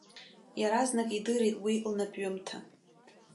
Иаразнак идырит уи лнапҩымҭа.